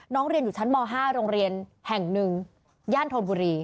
เรียนอยู่ชั้นม๕โรงเรียนแห่งหนึ่งย่านธนบุรี